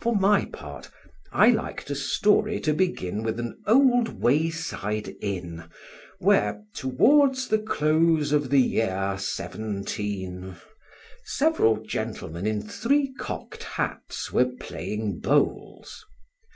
For my part, I liked a story to begin with an old wayside inn where, "towards the close of the year 17 ," several gentlemen in three cocked hats were playing bowls.